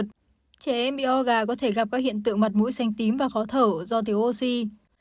trẻ em bị oga có thể gặp các hiện tượng mặt mũi xanh tím và khó thở do thiếu oxy